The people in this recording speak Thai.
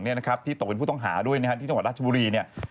ที่ตกเป็นผู้ต้องหาด้วยที่จังหวัดราชบุรี